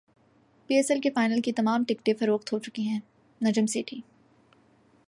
پی S L کے final کی تمام ٹکٹیں فروخت ہوچکی ہیں نجم سیٹھی